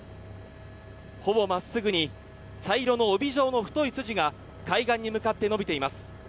ほぼ真っすぐに茶色の帯状の太い筋が海岸に向かって延びています。